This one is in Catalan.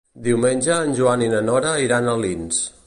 Diumenge en Joan i na Nora iran a Alins.